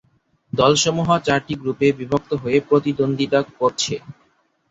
দলসমূহ চারটি গ্রুপে বিভক্ত হয়ে প্রতিদ্বন্দ্বিতা করছে।